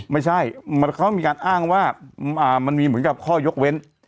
ไม่ใช่เขามีการอ้างว่ามันมีเหมือนกับข้อยกเว้น